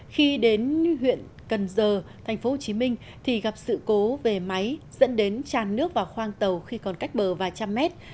khi đến huyện cần giờ tp hcm thì gặp sự cố về máy dẫn đến tràn nước vào khoang tàu khi còn cách bờ vài trăm mét